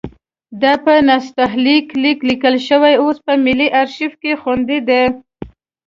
دا په نستعلیق لیک لیکل شوی اوس په ملي ارشیف کې خوندي دی.